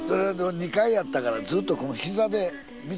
２階やったからずっとこの膝で。